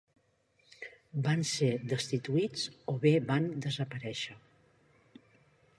Van ser destituïts o bé van desaparèixer.